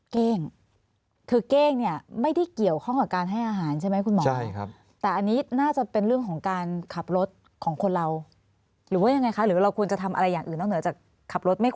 เก้งคือเก้งเนี่ยไม่ได้เกี่ยวข้องกับการให้อาหารใช่ไหมคุณหมอ